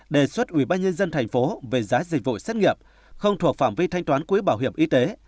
đề xuất ubnd tp về giá dịch vụ xét nghiệm không thuộc phạm vi thanh toán quỹ bảo hiểm y tế